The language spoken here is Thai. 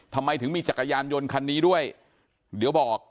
ทำไมถึงมีจักรยานยนต์คันนี้ด้วยเดี๋ยวบอก